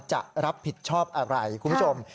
จะรับผิดชอบอะไรคุณผู้ชม